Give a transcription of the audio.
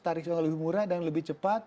tariknya lebih murah dan lebih cepat